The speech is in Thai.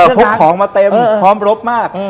พกของมาเต็มพร้อมรบมาก